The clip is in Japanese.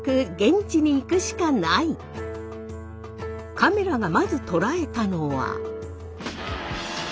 カメラがまず捉えたのは。